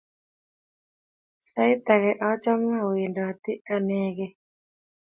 Sait ake achame awendoti anekey